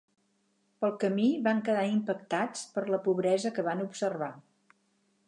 Pel camí van quedar impactats per la pobresa que van observar.